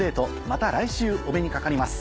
また来週お目にかかります。